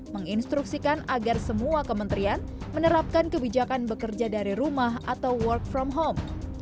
menginstruksikan agar semua kementerian menerapkan kebijakan bekerja dari rumah atau work from home